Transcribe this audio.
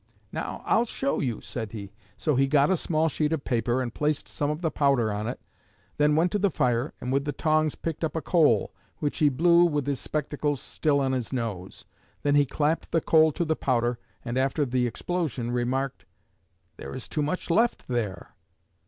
"Now I'll show you," said he. So he got a small sheet of paper and placed some of the powder on it, then went to the fire, and with the tongs picked up a coal, which he blew, with his spectacles still on his nose; then he clapped the coal to the powder, and after the explosion, remarked: "There is too much left there."